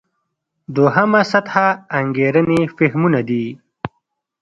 دوهمه سطح انګېرنې فهمونه دي.